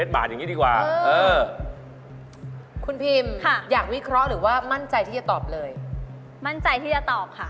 เออตกละเม็ดกี่บาทอย่างนี้อันนี้๕๐เม็ด